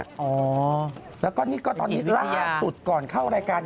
อ๋อแล้วก็นี่ก็ตอนนี้ล่าสุดก่อนเข้ารายการ